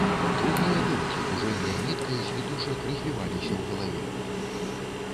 Другія думкі кужэльнай ніткай з вітушак развіваліся ў галаве.